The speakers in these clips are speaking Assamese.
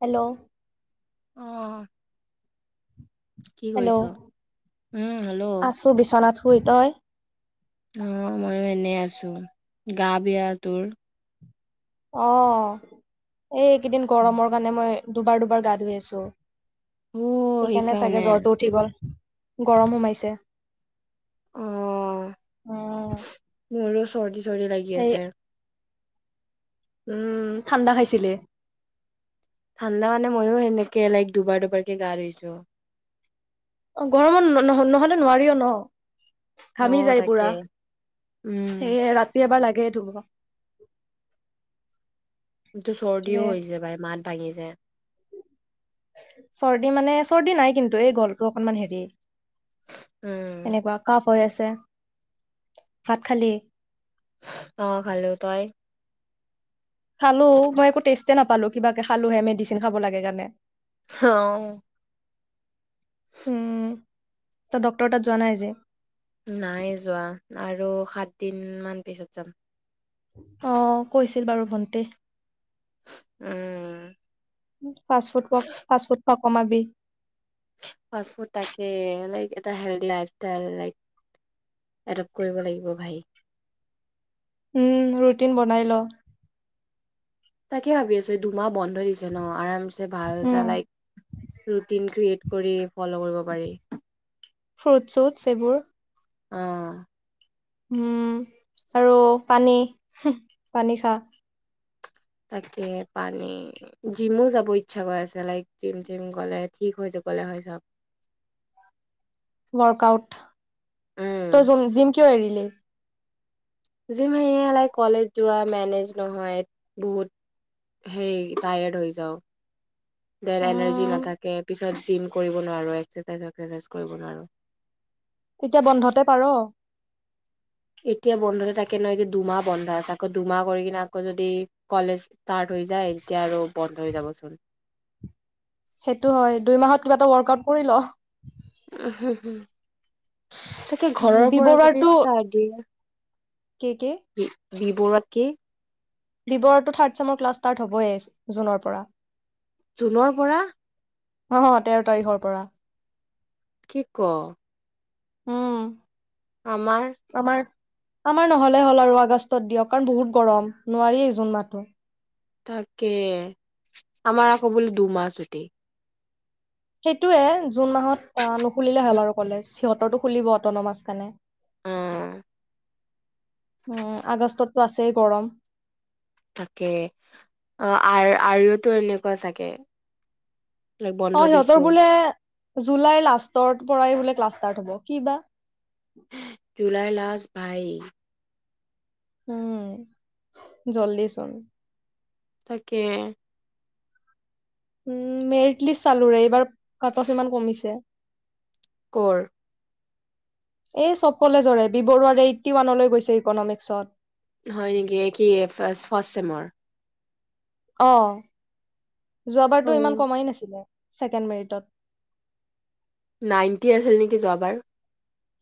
হেল্ল' অহ কি হেল্ল' কৰিছ? উম হেল্ল', দুয়োটাই অহ মই এনেই আছো, গা বেয়া তোৰ অহ এইকেইদিন গৰমৰ কাৰণে মই দুবাৰ -দুবাৰ গা ধুই আছো। অ সেইকাৰণে, চাগে জ্বৰটো উঠি গল। গৰম সোমাইছে অ অহ চৰদি, চৰদি লাগি আছে। উম ঠাণ্ডা খাইছিলি? ঠাণ্ডা মানে, মইয়ো সেনেকে লাইক দুবাৰ, দুবাৰকে গা ধুইছোঁ। অ, গৰমত নহলে মানে নোৱাৰি ন অ ঘামি যায় তাকে পুৰা উম সে ৰাতি এবাৰ লাগে সেইটো হ'ব [unintelligible] কিন্তু চৰ্দিও আহিছে বাই মাত ভাঙি যায়। চৰ্দি মানে চৰ্দি নাই কিন্তু, এই গলটো অকনমান হেৰি উম এনেকুৱা কাফ হৈ আছে, ভাত খালি? অ খালো, তই? খালো, মই একো টেষ্টতে নাপালো কিবা কে খালোহে মেডিচিন খাব লাগে কাৰণে অ উম ত ডক্টৰ তাত যোৱা নাই যে নাই যোৱা আৰু সাতদিন মান পিছত যাম। অ কৈছিল বাৰু ভণ্টি উম, ফাষ্ট ফুড, ক ফাষ্ট ফুড খোৱা কমাবি। ফাষ্ট ফুড তাকে লাইক এটা হেলডি লাইফষ্টাইল লাইক এডপট কৰিব লাগিব ভাই। উম ৰুটিন বনাই ল। তাকে ভাবি আছো দুমাহ বন্ধ দিছে ন আৰাম ছে ভাল উম এটা লাইফ ৰুটিন কৰি ফলৌ' কৰিব পাৰি। ফ্ৰুট চুটছ এইবোৰ অহ উম আৰু পানী পানী খা। তাকে পানী জিমো যাব ইচ্ছা গৈ আছে লাইক জিম থিম গলে ঠিক হৈ যাবলে হয় চব। ৱৰ্কআউট উম তই জুম জিম কিয় এৰিলি? জিম সাই কলেজ যোৱা মেনেজ নহয় বহুত হে টায়াৰড হৈ যাওঁ। দেৰ এনাৰ্জি উম নাথাকে পিছত তাত জিম কৰিব নোৱাৰো ।এক্সেৰচাইজ কৰিব নোৱাৰো। তেতিয়া বন্ধতে পাৰ? এতিয়া বন্ধ হৈ থাকে নহ এতিয়া দুমাহ বন্ধ আছে ।আকৌ দুমাহ কৰি কিনে আকৌ যদি কলেজ ষ্টাৰ্ট হৈ যায় এতিয়া আৰু বন্ধ হৈ যাবচোন। সেইটো হয় দুই মাহত কিবা এটা ৱৰ্কআউট কৰিল। উ হম হম তাকে ল ঘৰৰ পৰা যদি চাহ দিও। কেকে বিবোৰতকী? বিবো থাৰ্ড চেমৰ ক্লাছ ষ্টাৰ্ট হ'বই জুনৰ পৰা। জুনৰ পৰা? অ তেৰ তাৰিখৰ পৰা। কি ক উম। আমাৰ আমাৰ আমাৰ নহ'লে হ'ল আৰু আগষ্টত দিয়ক কাৰণ বহুত গৰম নোৱাৰিয়েই জুন মাহটো। তাকে, আমাৰ আকৌ বোলো দুমাহ চুতি। সেইটোয়ে জুন মাহত নুখুলিলে হ'ল আৰু কলেজ সিহঁতৰো খুলিব অট'ন'মাছ কাৰণে। উম। উম আগষ্টতটো আছেই গৰম। তাকে অ আৰু এনেকুৱা চাগে, বন্ধ অ দিছে সিহঁতৰ বোলে, জুলাইৰ লাষ্টৰ পৰাই বোলে ক্লাছ ষ্টাৰ্ট হ'ব কি বা? July last. পচ বাই [unintelligible] উম জল্দি চোন তাকে। উ মেৰিট লিষ্ট চালোৰে এইবাৰ কাটা সিমান কমিছে। কৰৰ? এই চবফালে কলেজৰে বি বৰুৱাৰ এইতটি ৱানলৈ গৈছে। ইকনমিক্সত হয় নেকি কি ফাৰ্ষ্টচেমৰ? অ। অ যোৱাবাৰতো ইমান কমাই নাছিলে। ছেকেণ্ড মেৰিটত, নাইনটি আছিল নেকি যোৱাবাৰ?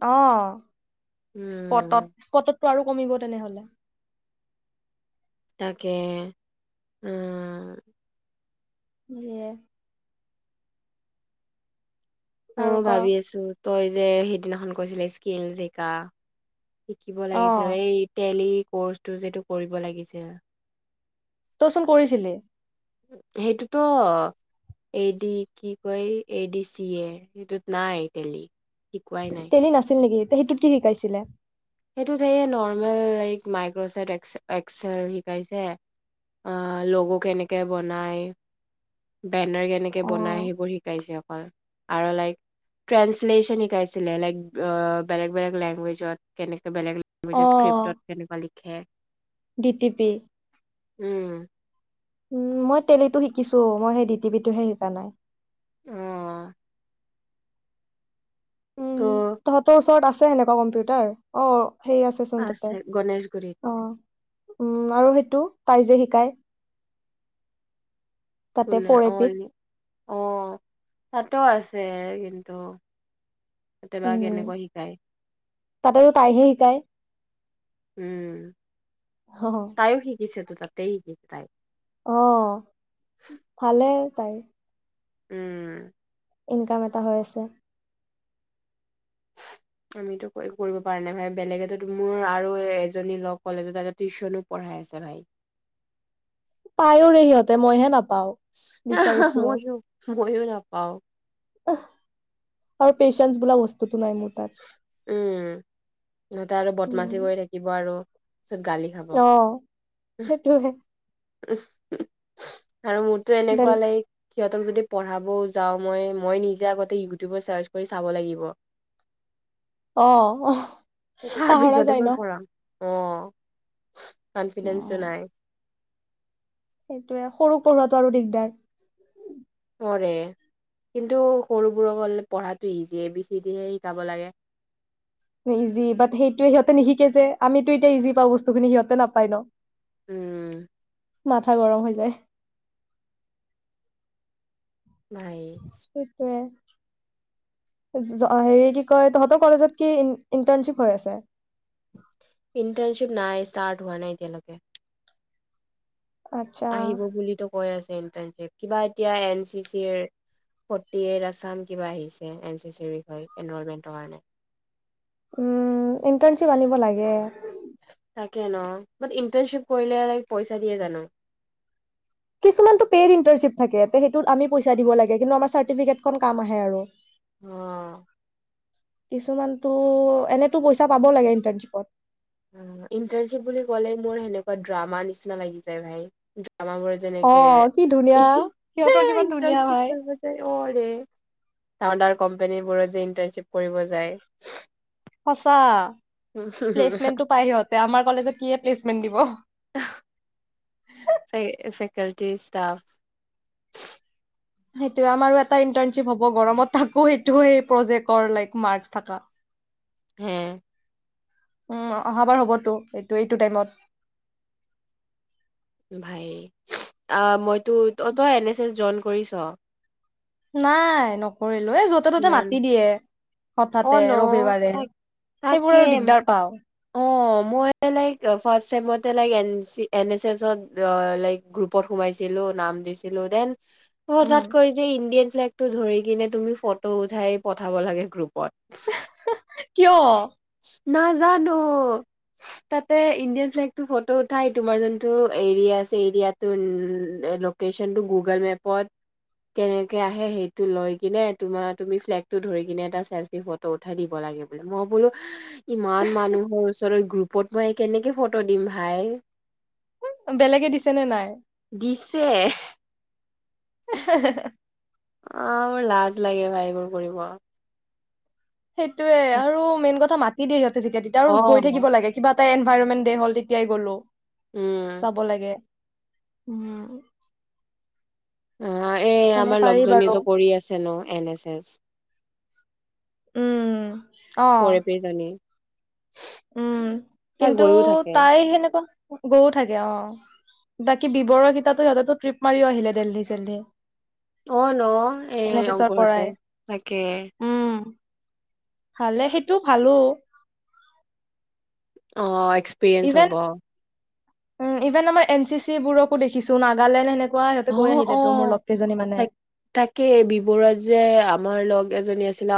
অহ স্পটত উম স্পটত আৰু কমিব তেনেহলে তাকে উম দিয়ে আৰু ময়ো ক ভাবি আছো তই যে সেইদিনাখন কৈছিলে স্কিল জিকা শিকিব লাগিছিল অ' এই তেলি কৰ্চটো যিটো কৰিব লাগিছিল তইচোন কৰিছিলি সেইটোতো এডি কি কয় এডি চি এ সেইটোত নাই তেলী তেলী নাছিল নেকি সেইটোত কি শিকাইছিলে? সেইটোত সেয়ে নৰ্মেল মাইক্ৰচফট এক্সেল শিকাইছে আহ লগো কেনেকে বনাই। বেনাৰ কেনেকে অ বনায় সেইবোৰ শিকাইছে অকল। আৰু লাইক ট্ৰেন্ঞ্চলে্যন শিকাইছিলে লাইক বেলেগ বেলেগ লেংগুৱেজত। কেনেক বেলেগ অ' স্ক্ৰিপ্টত কেনেকুৱা লিখে ডি টি পি উম উ মই তেলীটো শিকিছো মই সেই ডি টি পিটোহে শিকা নাই। আহ উম ত' তহঁতৰ ওচৰত আছে। আ সেনেকুৱা কম্পিউটাৰ অ [unintelligible] সেই আছে ছোন তাতে অ উম আৰু সেইটো তাই যে শিকায়। কনে অলি [unintelligible] আহ তাতো আছে কিন্তু। কেতিয়াবা উম কেনেকুৱা শিকায় তাতে তাইহে শিকায়। উম অহ দিছেটো তাতেই শিকিব তাই অ ভালেই তাই উম ইনকাম এটা হৈ আছে। আমিতো একো কৰিব পৰা নাই ভাই বেলেগেত মোৰ আৰু এজনী ল কলেজতে টিউচনো পঢ়াই আছে ভাই। পায়ো সিহঁতে মইহে নাপাওঁ। পাওঁ বিচাৰিছো অ। ময়ো ময়ো নাপাওঁ। আৰু পেচেন্ঞ্চ বোলা বস্তুটো নাই মোৰ তাত উম সিহতে আৰু উম বদমাচি কৰি থাকিব আৰু পিছত গালি খাব অ সেইটোহে। উম উ। আৰু মোৰতো বেল এনেকুৱা লাইক, সিহঁতক যদি পঢ়াব যাওঁ মই মই নিজে আগতে ইউটিউবত চাৰ্চ কৰি চাব লাগিব। অ আহ তাৰ পাহৰা পিছতে যায় মই ন! পঢ়াম অ' কনফিডেন্ঞ্চো নাই। সেইটোয়ে সৰু পঢ়োৱাটা আৰু দিগদাৰ। কিন্তু সৰুবোৰ কবলে গলে পঢ়াটো ইজিয়ে এ, বি, চি, দি হে শিকাব লাগে। ইজি বাট, সেইটোয়ে সিহঁতে নিশিকে যে আমিতো এতিয়া ইজি পাওঁ বস্তুখিনি সিহঁতে নাপায় ন। উম। মাথা গৰম হৈ যায়। বায় সেইটোয়ে হেৰি কি কয় তহতৰ কলেজত কি ইন্টাৰ্ণশ্বিপ হৈ আছে? ইন্টাণশিপ নাই, ষ্টাৰ্ট হোৱা নাইতিয়ালোককে। আচ্ছা। বুলিতো কৈ আছে ইন্টাৰশিপ, কিবা এতিয়া এনচিচিৰ ফৰ্তি এইত আসাম কিবা আহিছে এনচিচিৰ বিষয়ে এনুৱাৰমেনটৰ কাৰণে। উম ইন্টাৰ্ণশ্বিপ আনিব লাগে। তাকে ন ইন্টাৰ্শ্বিপ কৰিলে পইচা দিয়ে জানো? কিছুমানতটো পেড ইণ্টাৰশ্বিপ থাকে। সেইটোত আমি পইচা দিব লাগে কিন্তু আমাৰ চাৰ্টিফিকেটখন কাম আহে আৰু। অহ। কিছুমানতটো, এনেতো পইচা পাব লাগে ইন্টাৰ্ণশ্বিপত। ইন্টাৰশ্বিপ বুলি কলে মোৰ সেনেকুৱা ড্ৰামা নিচিনা লাগি যায় ভাই। আমাৰ বোৰৰ অ যেনেকে কি ধুনীয়া সিহঁতৰ অই কিমান ধুনীয়া ভাই ইন্টাৰশ্বিপ কৰিব যায় অ ৰে ডাঙৰ ডাঙৰ কোম্পনীবোৰত যে ইন্টাৰ্নশ্বিপ কৰিব যায়। সঁচা। প্লেচমেন্টো পাই সিহঁতে, আমাৰ কলেজত কিয়ে প্লেচমেন্ট দিব? Faculty staff. সেইটোয়ে আমাৰ এটা ইন্টাৰ্ণশ্বিপ হ'ব গৰমত থাকো সেইটো প্ৰজেক্টৰ লাইক মাৰ্ক থকা । হে? উম অহাবাৰ হ'বতো এইটো এইটো টাইমত । ভাই আ, মইতো অ তই এন এছ এছ জইন কৰিছ? নাই নকৰিল। এ য'তে ন ত'তে মাতি দিয়ে অ হঠাতে ন ৰবিবাৰে তাক সেইবোৰ আৰু দিগদাৰ পাও । অঁ মই লাইক ফাৰ্ষ্ট চেমতে like N C, N S এছত লাইক গ্ৰুপত সোমাইছিলোঁ নাম দিছিলোঁ দেন অ উম তাত কৈ যে ইণ্ডিয়ান ফ্লেগটো ধৰি কিনে তুমি ফটো উঠাই পঠাব লাগে গ্ৰুপ পত। কিয়। নাজানো তাতে ইণ্ডিয়ান ফ্লেগটো ফটো উঠাই তোমাৰ যোনটো এৰিয়া আছে এৰিয়াৰটোৰ লোকেচনটো গুগল মেপত কেনেকে আহে সেইটো লৈ কিনে তোমাৰ তুমি ফ্লেগটো ধৰি কিনে এটা চেলফি ফটো উঠাই দিব লাগে। মই বোলোঁ ইমান মানুহৰ ওচৰৰত গ্ৰুপত মই কেনেকে ফটো দিম ভাই। বেলেগে দিছে নে নাই। যে হে হে অহ মোৰ লাজ লাগে ভাই এইবোৰ কৰিব। সেইটোয়ে আৰু মেইন কথা মাত। কি দিনত। যেতিয়া তেতিয়া আৰু গৈ অ'। থাকিব লাগে কিবা এটা এনভাইৰমেণ্ট ডে হ'ল তেতিয়াই গ'লো উম, চাব লাগে। উম। অ এই এনে আমাৰ পাৰি লগজনী বাৰু কৰি আছে ন এন এছ এছ। উম অ ফৰে পি জানি উম কিন্তু গৈও থাকে। তাই সেনেকুৱা। গৈও থাকে অ বাকী বিবৰৰ কেইতাতো সিহঁততো ট্ৰিপ মাৰিও আহিলে দেলহি চেলহি। অ ন এ এছৰ অংকুৰহতে পৰাই তাকে উম ভালে সেইটো ভালোঁ। অ এক্সপিৰিয়েঞ্চস হ'ব। উম ইভেন আমাৰ এন চি চি বোৰকো দেখিছোঁ নাগালেণ্ড সে। অ অ তাক তাকেই বি বৰাজ যে আমাৰ লগ। এজনী আছিল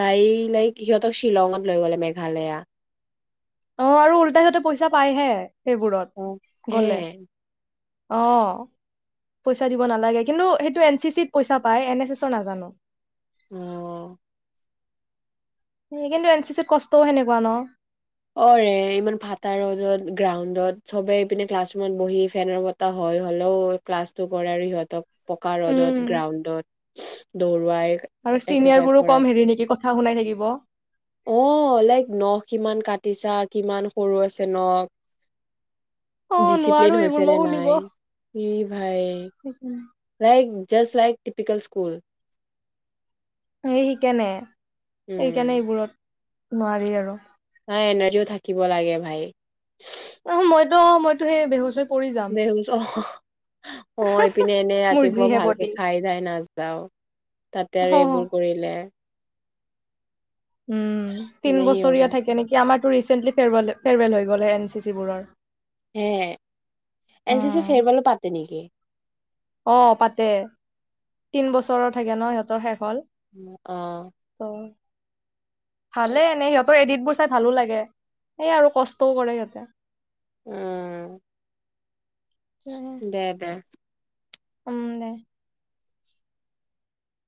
তাই লাইক সিহঁতক শ্বিলঙত লৈ গ'লে মেঘালয়া। অ আৰু উল্টাই সিহঁতে পইচা পাইহে। অ সেইবোৰত হে গ'লে অহ। পইচা দিব নালাগে কিন্তু সেইটো এন চি চিত পইচা পায় এন এছ এছৰ নাজানো। মম কিন্তু এন চি চিৰ কষ্টও সেনেকুৱা ন। অ ৰে ইমান ফাটা ৰদত গ্ৰাউণ্ডত সবেই ক্লাছৰৰুমত বহি ফেনৰ বতাহ হয় হলেও ক্লাছটো কৰে আৰু সিহঁতক। পকা ৰ'দত উম গ্ৰাউণ্ডত। দৌৰ অ আৰু চিনিয়ৰ এক্সচাইছ বোৰো কম কৰাই হেৰি নেকি কথা শুনাই থাকিব অ লাইক ন কিমান কাট । পতিচা কিমান সৰু আছে ন। অ ডিচিপ্লিন নোৱাৰো এইবোৰ হৈছে মই নে শুনিব নাই ই ভাই like. Just like typical school এই শিকেনে। উম সেইকাৰণে এইবোৰত। নোৱাৰি আৰু নাই এনাৰ্জিও থাকিব লাগে ভাই ন মইতো মইতো সেই বেহুচ হৈ পৰি যাম বেহুচ আহ অ এইপিনে এনে মোৰ ৰাতিপুৱা যিহে ভালকে বডি খাই ধাই নাযাও তাতে অ আৰু এইবোৰ কৰিলে উম তিন নেহি হ'বা বছৰীয়া থাকে নেকি আমাৰ টো ৰিচেন্টলি ফেৰৱেল ফেৰৱেল হৈ গ'ল এন চি চিবোৰৰ হে এন চি চি উম ফেৰৱেলো পাতে নেকি? অ পাতে তিন বছৰৰ থাকে ন সিহঁতৰ শেষ হল অহ ত ভালে এনেই সিহঁতৰ এডিট বোৰ চাই ভালো লাগে সেই আৰু কষ্টও কৰে সিহঁতে উম দে দে উম দে